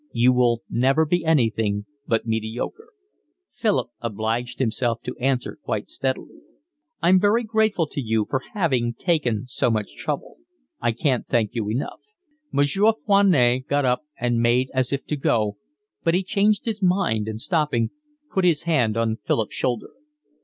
You will never be anything but mediocre." Philip obliged himself to answer quite steadily. "I'm very grateful to you for having taken so much trouble. I can't thank you enough." Monsieur Foinet got up and made as if to go, but he changed his mind and, stopping, put his hand on Philip's shoulder.